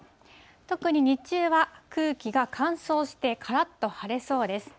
特に日中は、空気が乾燥してからっと晴れそうです。